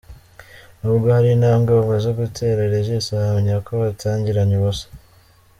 Nubwo hari intabwe bamaze gutera, Regis ahamya ko batangiranye ubusa.